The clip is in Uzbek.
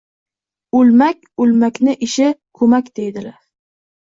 — O’lmak, o‘lmakni ishi ko‘mmak, deydilar.